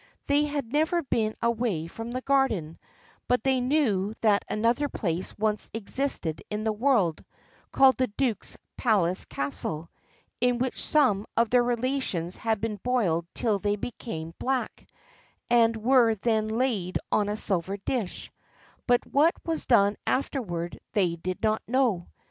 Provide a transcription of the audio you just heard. They had never been away from the garden; but they knew that another place once existed in the world, called the Duke's Palace Castle, in which some of their relations had been boiled till they became black, and were then laid on a silver dish; but what was done afterward they did not know.